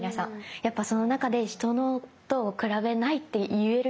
やっぱその中で人と比べないって言えるのはすごいですよ！